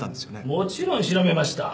もちろん調べました。